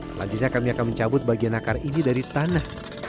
selanjutnya kami akan mencabut bagian akar ini dari tanah